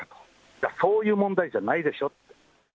いや、そういう問題じゃないでしょって。